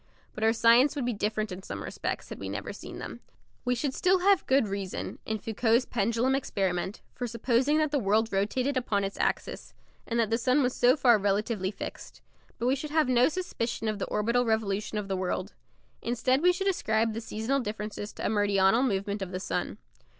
But our science would be different in some respects had we never seen them. We should still have good reason, in Foucault's pendulum experiment, for supposing that the world rotated upon its axis, and that the sun was so far relatively fixed; but we should have no suspicion of the orbital revolution of the world. Instead we should ascribe the seasonal differences to a meridional movement of the sun.